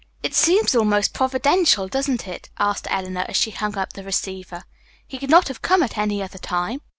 "It seems almost providential, doesn't it?" asked Eleanor, as she hung up the receiver. "He could not have come here at any other time."